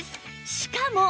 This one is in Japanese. しかも